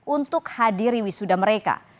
untuk hadiri wisuda mereka